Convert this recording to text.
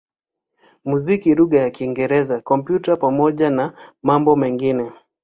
muziki lugha ya Kiingereza, Kompyuta pamoja na mambo mengine.